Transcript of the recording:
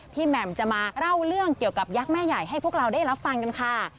แหม่มจะมาเล่าเรื่องเกี่ยวกับยักษ์แม่ใหญ่ให้พวกเราได้รับฟังกันค่ะ